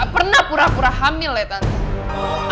aku gak pernah pura pura hamil ya tante